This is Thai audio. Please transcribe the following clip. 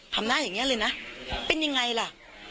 ทำหน้าอย่างนี้เลยนะเป็นยังไงล่ะ